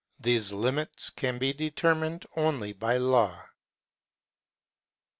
These limits can be determined only by law.